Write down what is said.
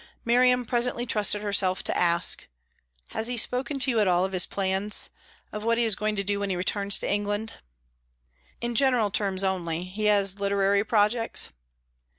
Miriam presently trusted herself to ask, "Has he spoken to you at all of his plans of what he is going to do when he returns to England?" "In general terms only. He has literary projects."